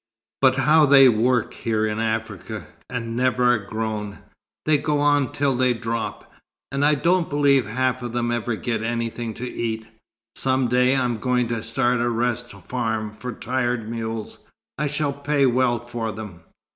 But how they work here in Africa and never a groan! They go on till they drop. And I don't believe half of them ever get anything to eat. Some day I'm going to start a Rest Farm for tired mules. I shall pay well for them.